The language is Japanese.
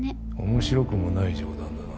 面白くもない冗談だな。